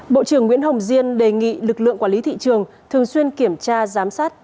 bộ trưởng nguyễn hồng diên đề nghị lực lượng quản lý thị trường thường xuyên kiểm tra giám sát